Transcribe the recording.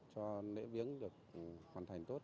cho lễ viếng được hoàn thành tốt